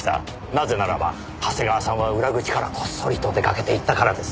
なぜならば長谷川さんは裏口からこっそりと出かけていったからです。